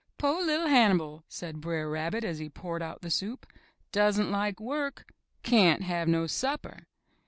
*To' LiT Hannibal!" said Br'er Rabbit as he poured out the soup. *' Doesn't like work. Cyan't have no supper!"